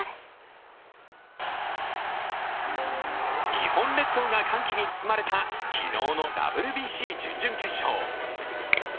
日本列島が歓喜に包まれた昨日のＷＢＣ準々決勝。